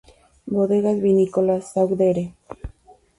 Bodegas vinícolas Sauk-Dere.